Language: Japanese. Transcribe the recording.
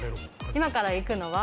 今から行くのは。